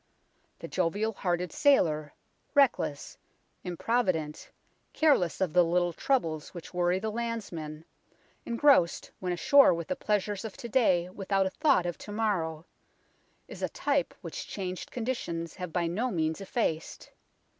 The jovial hearted sailor, reckless, improvident, careless of the little troubles which worry the landsman, engrossed when ashore with the pleasures of to day without a thought of to morrow, is a type which changed conditions have by no means effaced.